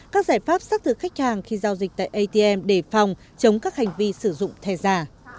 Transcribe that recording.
các giải pháp xác thực khách hàng khi giao dịch tại atm để phòng chống các hành vi sử dụng thẻ giả